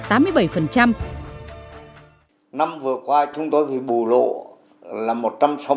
năm vừa qua chúng tôi bị bù lộ